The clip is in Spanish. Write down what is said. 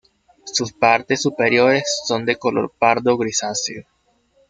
Sus partes superiores son de color pardo grisáceo.